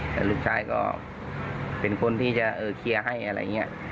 แต่ลูกชายก็เป็นคนที่จะเคลียร์ให้อะไรอย่างนี้